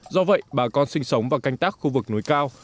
do vậy bà con sinh sống và canh tác khu vực núi cao